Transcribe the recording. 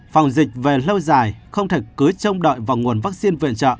phòng dịch về lâu dài không thể cứ trông đợi vào nguồn vaccine viện trợ